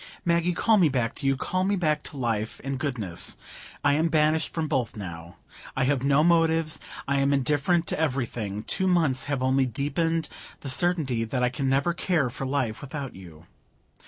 Maggie, call me back to you! Call me back to life and goodness! I am banished from both now. I have no motives; I am indifferent to everything. Two months have only deepened the certainty that I can never care for life without you.